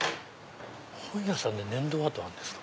本屋さんで粘土アートあるんですか。